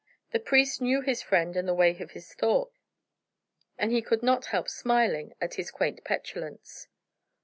The priest knew his friend and the way of his thought, and he could not help smiling at his quaint petulance.